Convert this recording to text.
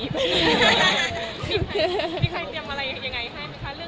มีใครเตรียมอะไรยังไงให้ไหมคะ